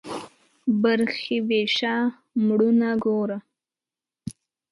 برخي ويشه ، مړونه گوره.